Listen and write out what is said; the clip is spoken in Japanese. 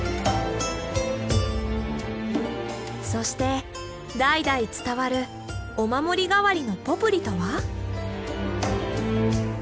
そして代々伝わるお守り代わりのポプリとは？